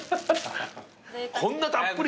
こんなたっぷり。